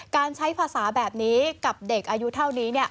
การใช้ภาษาแบบนี้กับเด็กอายุเท่านี้